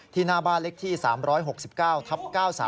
หน้าบ้านเล็กที่๓๖๙ทับ๙๓